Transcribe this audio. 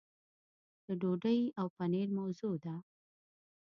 د ډوډۍ او پنیر موضوع ده.